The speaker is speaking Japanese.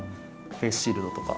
フェイスシールドとか。